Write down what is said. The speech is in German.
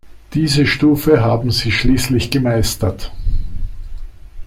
Diese Stufe haben Sie schließlich gemeistert.